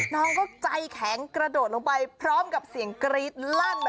มาทีละครั้ง